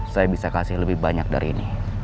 saya bisa kasih lebih banyak dari ini